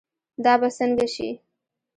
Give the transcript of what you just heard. دا به سنګه شي